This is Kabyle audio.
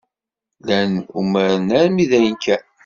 Llan umaren armi d ayen kan.